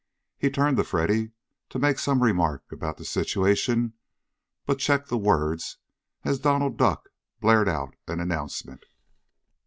He turned to Freddy to make some remark about the situation, but checked the words as Donald Duck blared out an announcement.